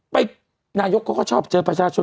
นายกเขาก็ชอบเจอประชาชน